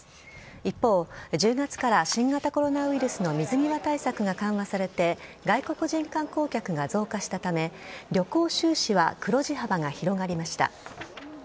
一方、１０月から新型コロナウイルスの水際対策が緩和されて外国人観光客が増加したため旅行収支は黒字幅が広がりました。